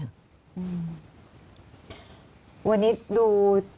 วันนี้ดูเครียดกว่าวันแรกที่มาเหมือนกันเนอะ